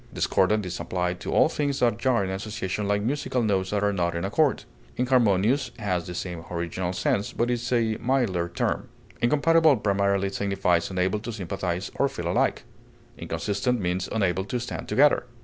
Discordant is applied to all things that jar in association like musical notes that are not in accord; inharmonious has the same original sense, but is a milder term. Incompatible primarily signifies unable to sympathize or feel alike; inconsistent means unable to stand together.